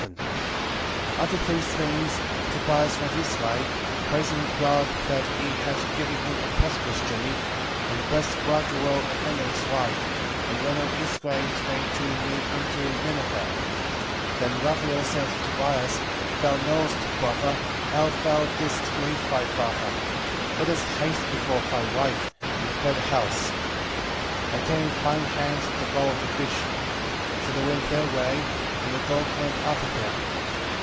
11:1 After these things Tobias went his way, praising God that he had given him a prosperous journey, and blessed Raguel and Edna his wife, and went on his way till they drew near unto Nineve. 11:2 Then Raphael said to Tobias, Thou knowest, brother, how thou didst leave thy father: 11:3 Let us haste before thy wife, and prepare the house. 11:4 And take in thine hand the gall of the fish. So they went their way, and the dog went after them.